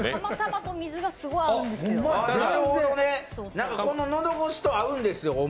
釜玉、水がすごい合うんですよ。